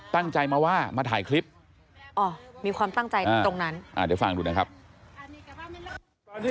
ตั้งใจมาว่ามาถ่ายคลิปอ๋อมีความตั้งใจตรงนั้น